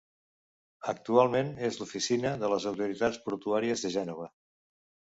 Actualment és l'oficina de les autoritats portuàries de Gènova.